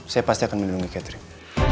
saya pasti akan melindungi catering